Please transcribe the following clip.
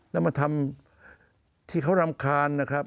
แล้วมาทำที่เขารำคาญนะครับ